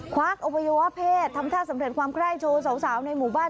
วักอวัยวะเพศทำท่าสำเร็จความไคร้โชว์สาวในหมู่บ้าน